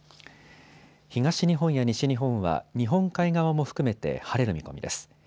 東日本や西日本は日本海側も含めて晴れる見込みです。